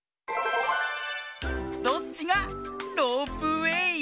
どっちがロープウエー？